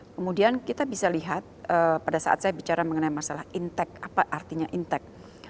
kemudian kita bisa lihat pada saat saya bicara mengenai masalah intek apa artinya intek